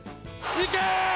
いけ！